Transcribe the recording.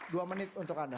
dua menit untuk anda